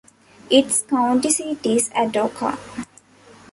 Its county seat is Atoka.